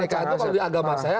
kalau di agama saya